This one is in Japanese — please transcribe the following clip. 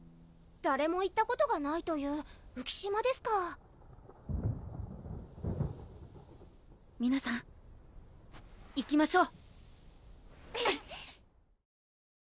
誰も行ったことがないといううき島ですか皆さん行きましょう！